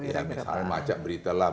misalnya macam berita lah